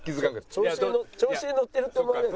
調子にのってるって思われる。